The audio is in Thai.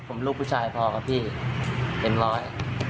ผมลูกผู้ชายพอกับพี่เป็นร้อย